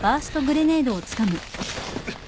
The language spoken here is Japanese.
うっ。